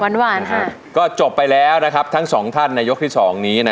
น้ำร้องหายลบคำหนึ่งคำนี่ด้วยน้ำตา